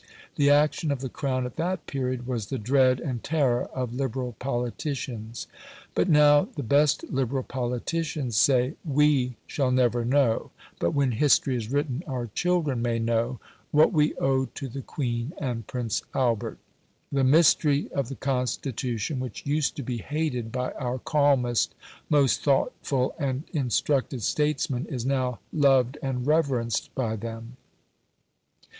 The action of the Crown at that period was the dread and terror of Liberal politicians. But now the best Liberal politicians say, "WE shall never know, but when history is written our children may know, what we owe to the Queen and Prince Albert". The mystery of the Constitution, which used to be hated by our calmest, most thoughtful, and instructed statesmen, is now loved and reverenced by them.